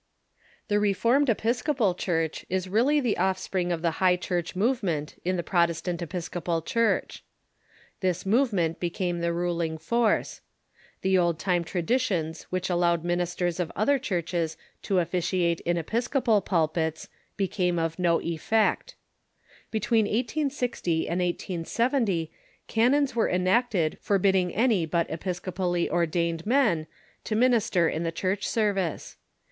The Reformed Episcopal Church is really the offspring of the High Church movement in the Protestant Episcopal Church. This movement became the ruling force. The The Reformed old time traditions which allowed ministers of Episcopal Church ^,^.•• ti • i i • other Churches to officiate in Episcopal pul[)its became of no effect. Between 1860 and 1870 canons were enacted forbidding any but Episcopally ordained men to min ister in the Church service.